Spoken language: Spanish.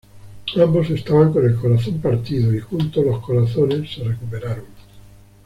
Ambos estaban con el corazón partido y juntos los corazones se recuperaron.